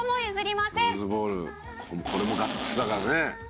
「これもガッツだからね」